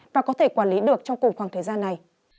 và có thể quản lý được trong cùng khoảng thời gian này